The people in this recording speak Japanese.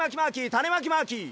たねまきマーキー！